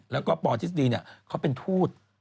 แล้วก็ปทฤษฎีเขาเป็นทูต